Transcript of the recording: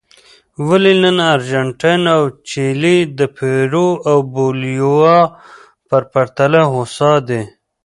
ولې نن ارجنټاین او چیلي د پیرو او بولیویا په پرتله هوسا دي.